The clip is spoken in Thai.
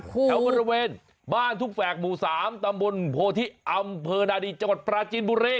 แถวบริเวณบ้านทุกแฝกหมู่๓ตำบลโพธิอำเภอนาดีจังหวัดปราจีนบุรี